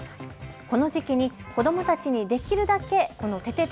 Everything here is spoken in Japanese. この時期に子どもたちにできるだけててて！